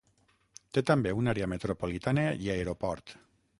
Té també una àrea metropolitana i aeroport.